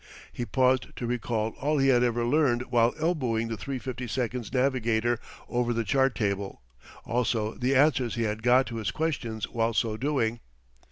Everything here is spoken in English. He paused to recall all he had ever learned while elbowing the 352's navigator over the chart table; also the answers he had got to his questions while so doing.